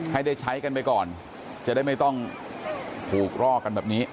ให้ได้ใช้กันไปก่อนจะได้ไม่ต้องถูกรอกกันแบบนี้